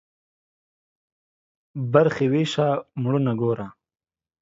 برخي ويشه ، مړونه گوره.